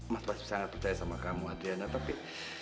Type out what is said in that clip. mas masih sangat percaya sama kamu adriana tapi